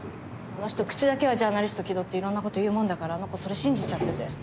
あの人口だけはジャーナリストを気取っていろんな事を言うもんだからあの子それ信じちゃってて。